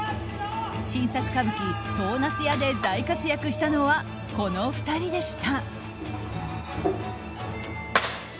新作歌舞伎「唐茄子屋」で大活躍したのはこの２人でした。